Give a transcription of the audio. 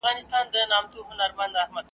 زه دي نه پرېږدم ګلابه چي یوازي به اوسېږې .